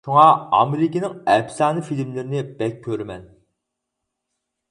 شۇڭا ئامېرىكىنىڭ ئەپسانە فىلىملىرىنى بەك كۆرىمەن.